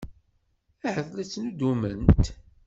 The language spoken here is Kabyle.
Ahat la tettnuddumemt.